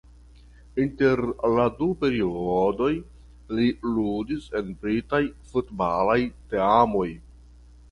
Inter la du periodoj li ludis en britaj futbalaj teamoj.